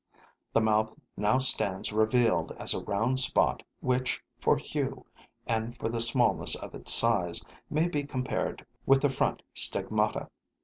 The mouth now stands revealed as a round spot which, for hue and for the smallness of its size, may be compared with the front stigmata.